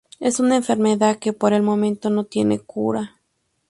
Es una enfermedad que por el momento no tiene cura.